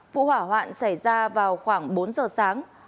vụ hỏa hoạn xảy ra vào khoảng bốn giờ sáng